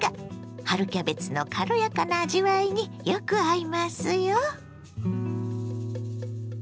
春キャベツの軽やかな味わいによく合いますよ。